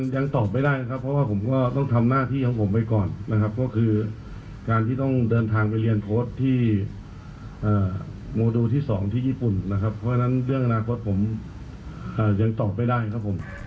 ยังตอบไม่ได้นะครับเพราะว่าผมก็ต้องทำหน้าที่ของผมไปก่อนนะครับก็คือการที่ต้องเดินทางไปเรียนโค้ดที่โมดูที่๒ที่ญี่ปุ่นนะครับเพราะฉะนั้นเรื่องอนาคตผมยังตอบไม่ได้ครับผม